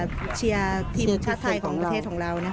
เชียร์ทีมชาติไทยของประเทศของเรา